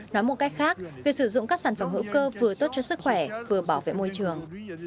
nói một cách khác việc sử dụng các sản phẩm hữu cơ vừa tốt cho sức khỏe vừa bảo vệ môi trường